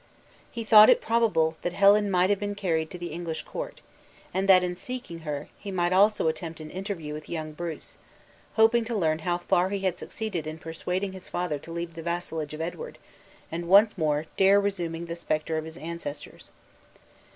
He thought it probable, that Helen might have been carried to the English court; and that in seeking her, he might also attempt an interview with young Bruce; hoping to learn how far he had succeeded in persuading his father to leave the vassalage of Edward, and once more dare resuming the specter of his ancestors.